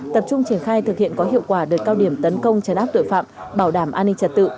tập trung triển khai thực hiện có hiệu quả đợt cao điểm tấn công chấn áp tội phạm bảo đảm an ninh trật tự